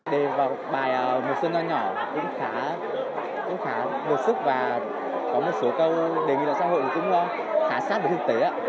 đề vào bài một sơn do nhỏ cũng khá đột sức và có một số câu đề nghị lợi xã hội cũng khá sát với thực tế